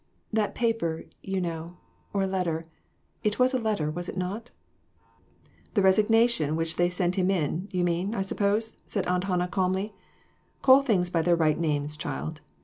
That paper, you know, or letter it was a letter, was it not ?" "The resignation which they sent him in, you mean, I suppose?" said Aunt Hannah, calmly; "call things by their right names, child.